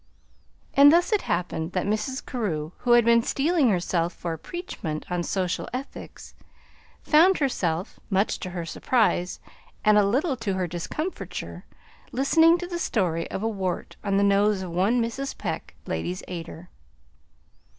And thus it happened that Mrs. Carew, who had been steeling herself for a preachment on social ethics, found herself, much to her surprise and a little to her discomfiture, listening to the story of a wart on the nose of one Mrs. Peck, Ladies' Aider.